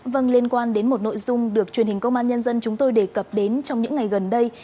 vâng liên quan đến một nội dung được truyền hình công an nhân dân chúng tôi đề cập đến trong những ngày gần đây